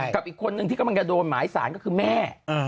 กับอีกคนนึงที่กำลังจะโดนหมายสารก็คือแม่